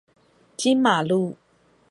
金馬路